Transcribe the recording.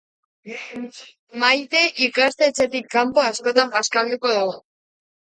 Maite ikastetxetik kanpo askotan bazkalduko du.